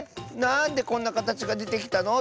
なんでこんなかたちがでてきたの？